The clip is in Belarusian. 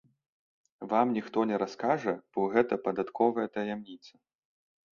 Вам ніхто не раскажа, бо гэта падатковая таямніца.